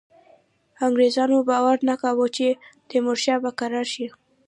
انګرېزانو باور نه کاوه چې تیمورشاه به کرار شي.